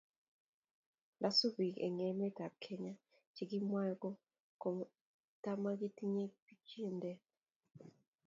nda sup piik eng' emet ab kenya che kimwae ko katamkotinye pichiindo